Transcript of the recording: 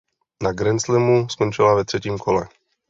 Na grandslamu skončila ve třetím kole.